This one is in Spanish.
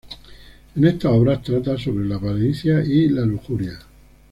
En estas obras trata sobre la avaricia y la lujuria.